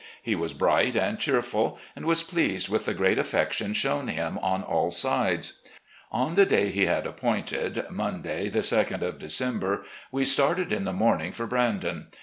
He was bright and cheerful, and was pleased with the great affection shown him on aU sides. On the day he had appointed — ^Monday, the ad of De 29« RECOLLECTIONS OF GENERAL LEE cember — ^we started in the morning for " Brandon."